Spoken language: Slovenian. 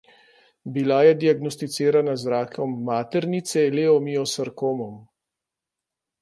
Bila je diagnosticirana z rakom maternice, leomiosarkmom.